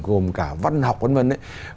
gồm cả văn học văn vân